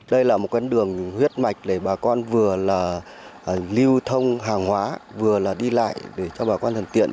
đây là một con đường huyết mạch để bà con vừa là lưu thông hàng hóa vừa là đi lại để cho bà con thân tiện